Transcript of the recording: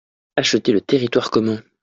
Acheter le terrioire commun.